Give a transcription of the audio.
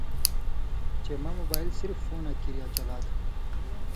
چےۡ مہ مُوبائل صرِف فُوناں کِریا چَلا تُھو